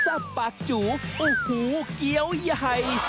ซากปากจุอุ๊ยโห้เกี๊ยวย่าย